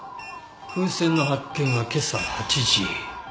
風船の発見は今朝８時。